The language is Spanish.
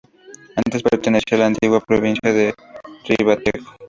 Antes, pertenecía a la antigua provincia de Ribatejo.